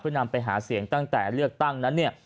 เพื่อนำไปหาเสียงตั้งแต่เลือกตั้งนั้นเนี่ย